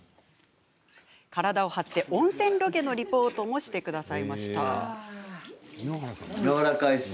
体を張って温泉ロケのリポートもしてくれました。